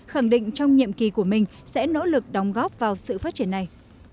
khẳng định trong nhiệm kỳ của mình sẽ nỗ lực đóng góp vào sự phát triển này